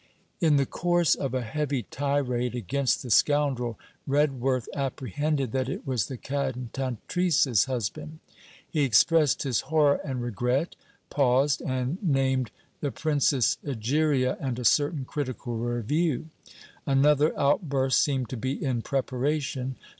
In the course of a heavy tirade against the scoundrel, Redworth apprehended that it was the cantatrice's husband. He expressed his horror and regret; paused, and named THE PRINCESS EGERIA and a certain Critical Review. Another outburst seemed to be in preparation.